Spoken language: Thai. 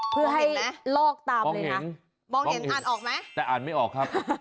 เพื่อให้ลอกตามเลยนะมองเห็นอ่านออกไหมแต่อ่านไม่ออกครับ